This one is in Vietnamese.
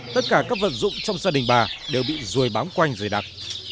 tất cả các vật dụng trong gia đình bà đều bị rùi bám quanh dày đặc